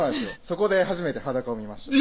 そこで初めて裸を見ました